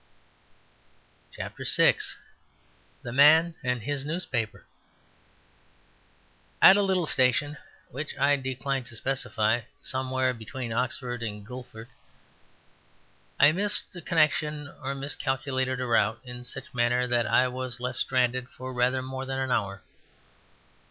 The Man and His Newspaper At a little station, which I decline to specify, somewhere between Oxford and Guildford, I missed a connection or miscalculated a route in such manner that I was left stranded for rather more than an hour.